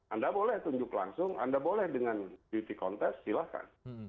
anda boleh tunjuk langsung anda boleh dengan beauty contest silahkan